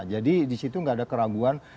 jadi di situ tidak ada keraguan